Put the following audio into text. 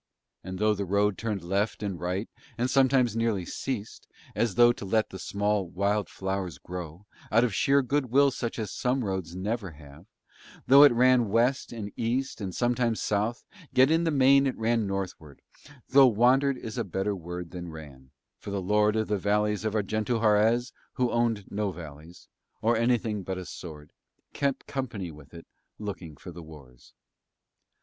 And though the road turned left and right and sometimes nearly ceased, as though to let the small wild flowers grow, out of sheer good will such as some roads never have; though it ran west and east and sometimes south, yet in the main it ran northward, though wandered is a better word than ran, and the Lord of the Valleys of Arguento Harez who owned no valleys, or anything but a sword, kept company with it looking for the wars.